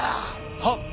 はっ。